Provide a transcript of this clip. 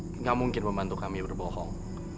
tidak mungkin membantu kami berbohong